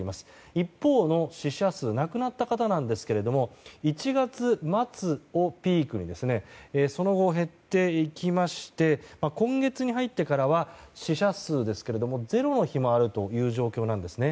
一方の死者数亡くなった方ですが１月末をピークにその後、減っていきまして今月に入ってからは死者数がゼロの日もあるという状況なんですね。